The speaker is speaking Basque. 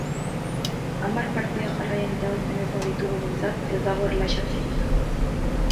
Hamar partida jarraian irabazten ez baditugu behintzat, ez dago erlaxatzerik!